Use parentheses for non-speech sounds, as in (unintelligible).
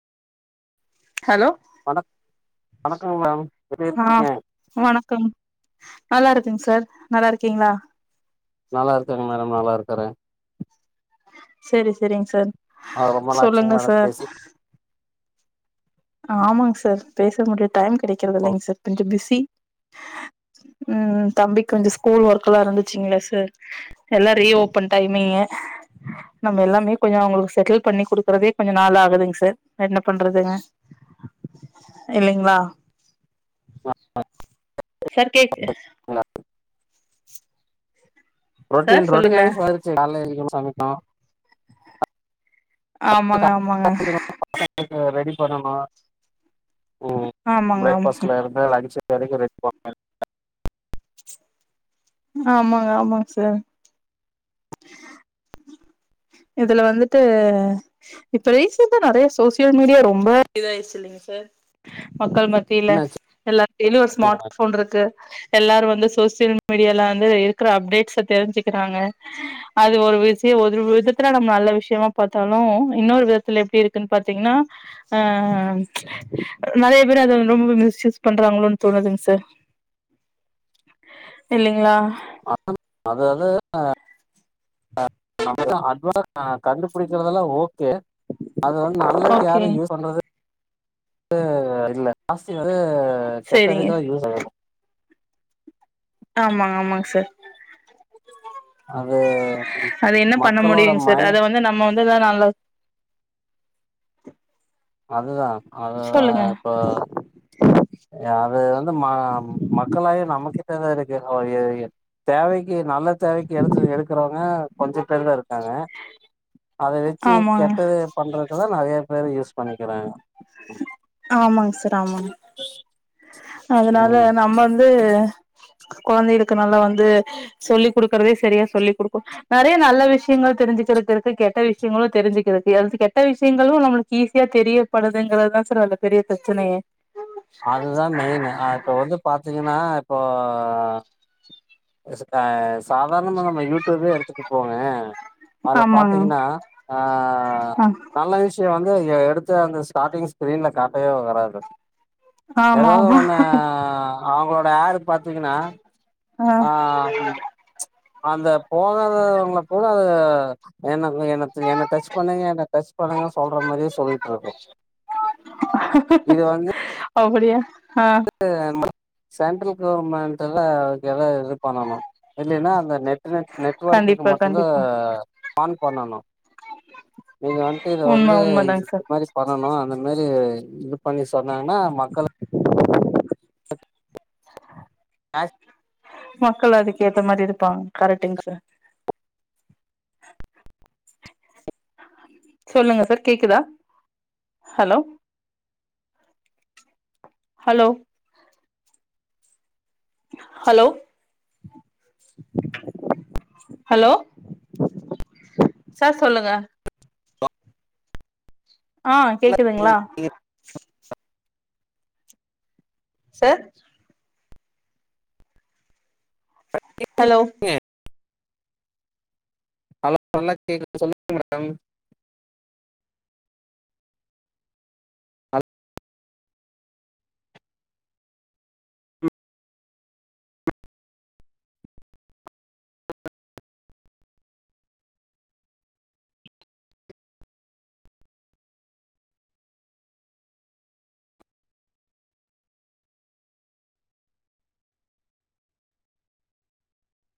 hello வணக் வணக்கம் madam எப்டி ஆ இருக்கீங்க வணக்கம் நல்லா இருக் சார் நல்லா இருக்கீங்களா நல்லா இருக்கேங்க மேடம் நல்லா இருக்கறேன் சரி சரிங்க சார் ரொம்ப நாளாச்சுங்க சொல்லுங்க மேடம் சார் பேசி ஆமாங்க சார் பேச முடில டைம் கெடைக்குறது இல்லைங்க சார் கொஞ்சோ பிஸி ம் ம் தம்பி கொஞ்சோ ஸ்கூல் ஒர்க்குலா இருந்துச்சிங்கல சார் எல்லா ரீஓபன் டைமிங்கு நம்ம எல்லாமே கொஞ்சோ அவுங்குளுக்கு செட்டில் பண்ணி குடுக்குறதே கொஞ்ச நாளாகுதுங்க சார் என்ன பண்றதுங்க இல்லைங்களா சார் கேக்கு சார் ரொட்டின் ரொட்டின் சொல்லுங்க லைஃப் ஆயிடுச்சு காலைலயு சமைக்கனோ ஆமாங்க ஆமாங்க இங்க ரெடி பண்ணணோ ம் ஆமாங்க ப்ரேக்ஃபாஸ்டுல இருந்து லன்ஞ்சு வெரைக்கோ ரெ (unintelligible) ஆமாங்க ஆமாங்க சார் இதுல வந்துட்டு இப்ப ரீசென்ட்டா நறைய சோசியல் மீடியா ரொம்ப இதாயிடுச்சு இல்லைங்க சார் மக்கள் மத்தில என்னாச்சு எல்லாரு கைலயு ஒரு ஸ்மார்ட் ஃபோன் இருக்கு எல்லாரு வந்து சோசியல் மீடியால வந்து இருக்குற அப்டேட்ஸ தெரிஞ்சுக்கிறாங்க அது ஒரு விஷயோ ஒரு விதத்துல நம்ம நல்ல விஷயமா பாத்தாலு இன்னொரு விதத்துல எப்படி இருக்குன்னு பாத்தீங்கன்னா அ அ அ நறைய பேரு அது ரொம்ப மிஸ்யூஸ் பண்றாங்களோனு தோணுதுங்க சார் இல்லைங்களா (unintelligible) அது அது அ (unintelligible) கண்டுபிடிக்கறதெல்லா ஓ ஓகே அது வந்து நல்லதுக்கு ஓகே யாரோ யூஸ் பண்ணுறதே இல்ல காசு கு சேரிங்க கெட்டதுக்குலா யூஸ் ஆகோ ஆமாங்க ஆமாங்க சார் அது அது என்ன பண்ண மக்களோட முடியுங்க சார் அத மைண்ட் வந்து நம்ம வந் இதுஇதா நல்லது அதுதா அதுதா இப்போ அது வந்து ம மக்களாய நமக்கிட்ட தா இருக்கு ஒழிய தேவைக் கு நல்ல தேவைக்கு எடுத்து எடுக்கிறவங்க கொஞ்சோ பேர்தா இருக் க்காங்க அத வெச்சு ஆமாங்க கெட்டது பண்றதுக்குதா நறைய பேரு யூஸ் பண்ணிக்கிறாங்க ஆமாங்க சார் ஆமாங்க அதனால ம் நம்ம வந்து கொழந்தைகளுக்கு நல்லா வந்து சொல்லிக் குடுக்கறதே சரியா சொல்லிக் குடுக்கு நறைய நல்ல விஷயங்க தெரிஞ்சுக்கிறதிற்கு கெட்ட விஷயங்களு தெரிஞ்சுக்கிறதுக்கு எதாச்சி கெட்ட விஷயங்களு நம்மளுக்கு ஈஸியா தெரியப்படுதுங்கிறது அதா சார் பெரிய பிரச்சனையே அதுதா மெயின் அ இப்ப வந்து பாத்தீங்கனா இப்போ ஸ் க அ சாதாரணமா நம்ம யூடியூபே எடுத்துட்டு போங்க அதுல ஆமாங்க பாத்தீங்கன்னா ஆ ஆ நல்ல விஷயோ வந் எடுத்து அந்த ஸ்டார்டிங் ஸ்க்ரீன்ல காட்டவே வராது ஆமா ஏதாவது ஆமா ஒன்னு அவுங்களோட ஆடு பாத்தீங்கன்னா ஆ உம் அந்த போகாதவங்கள கூட அது என்ன இவுங்க என்னத் என்ன டச் பண்ணுங்க என்ன டச் பண்ணுங்க சொல்ற மாரியே சொல்லிட்ருக்கோ அப்பிடியா வந்துட்டு மண் சென்ட்ரல் கவர்மண்ட்டுல எதாவது இது பண்ணணோ இல்லைன்னா அந்த நெட் இன்டர்நெட் நெட்வொர்க்குக்கு கண்டிப்பா மட்டும்தா கண்டிப்பா ஆன் பண்ணணோ நீங்க வந்த்ட்டு இத உண்ம வந்து உண்மதாங் சார் இந்த மாரி பண்ணணோ அந்த மாரி இது பண்ணி சொல் என்னனா மக்கள ஆஸ் மக்கள் அதுக்கு ஏத்த மாதி இருப்பாங்க கரக்டுங்க சார் சொல்லுங்க சார் கேக்குதா hello hello hello hello sir சொல்லுங்க ஆ கேக்குதுங்ளா சார் ஹலோ (inaudible) ஹலோ நல்லா கேக்குது சொல்லுங்க மேடம் அ